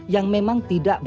yang memang terlalu kental